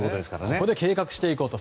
ここで計画していこうと。